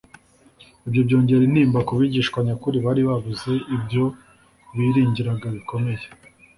ibyo byongera intimba ku bigishwa nyakuri bari babuze ibyo biringiraga bikomeye.